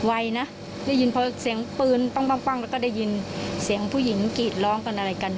ไวนะได้ยินพอเสียงปืนปั้งแล้วก็ได้ยินเสียงผู้หญิงกรีดร้องกันอะไรกัน